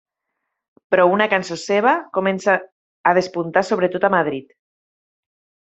Però una cançó seva comença a despuntar, sobretot a Madrid.